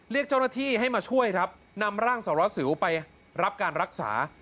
เรียกเจ้าหน้าที่ให้มาช่วยครับนำร่างสารวัสสิวไปรับการรักษา